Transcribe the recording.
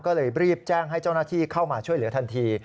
ก็เลยรีบแจ้งให้เจ้าหน้าที่เข้ามาช่วยเหลือทันที